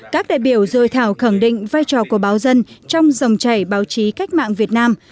các đại biểu rời thảo khẳng định vai trò của báo dân trong dòng chảy báo chí cách mạng việt nam